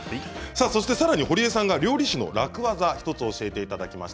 さらに堀江さんが料理酒の楽ワザを１つ教えてくださいました。